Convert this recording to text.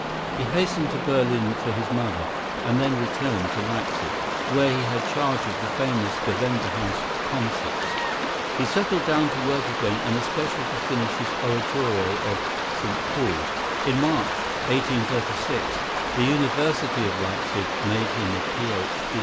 He hastened to Berlin to his mother, and then returned to Leipsic, where he had charge of the famous Gewandhaus concerts. He settled down to work again, and especially to finish his oratorio of "St. Paul." In March, 1836, the University of Leipsic made him a Ph.